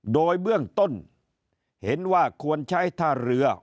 โดยเบื้องต้นเห็นว่าควรใช้ท่าเรือ